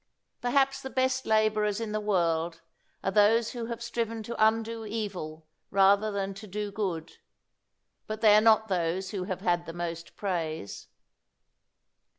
Perhaps the best labourers in the world are those who have striven to undo evil rather than to do good, but they are not those who have had the most praise.